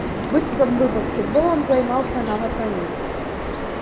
Быццам бы баскетболам займаўся нават раней.